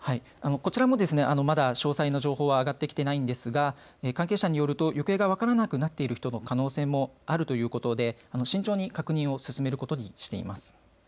こちらもですねまだ詳細の情報上がってきていないんですが関係者によると行方が分からなくなってる人の可能性もあるということで慎重に確認を進めていることにしています。